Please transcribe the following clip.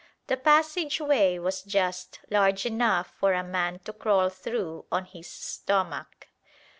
The passage way was just large enough for a man to crawl through on his stomach.